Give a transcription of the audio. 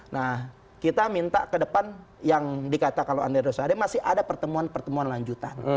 nah kita minta ke depan yang dikata kalau andre rosade masih ada pertemuan pertemuan lanjutan